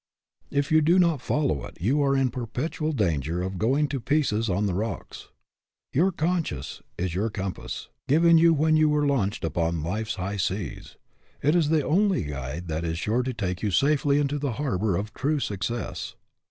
If you do not follow it you are in perpetual danger of going to pieces on the rocks. Your conscience is your com pass, given you when you were launched upon life's high seas. It is the only guide that is sure to take you safely into the harbor of true success.